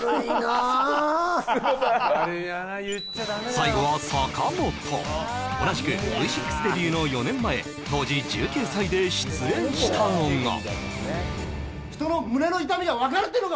最後は坂本同じくＶ６デビューの４年前当時１９歳で出演したのが人の胸の痛みが分かるっていうのか